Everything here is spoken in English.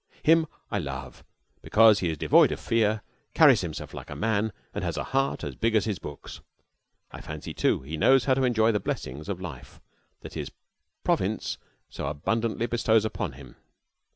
Him I love because he is devoid of fear, carries himself like a man, and has a heart as big as his books. I fancy, too, he knows how to enjoy the blessings of life that his province so abundantly bestows upon him.